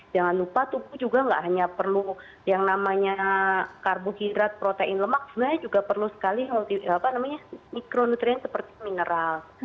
jangan lupa tubuh juga nggak hanya perlu yang namanya karbohidrat protein lemak sebenarnya juga perlu sekali mikronutrien seperti mineral